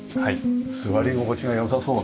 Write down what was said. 座り心地が良さそうな。